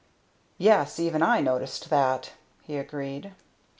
"Yes even I noticed that," he agreed.